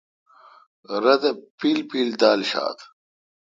رت اے° پیل پیل دال۔ شات۔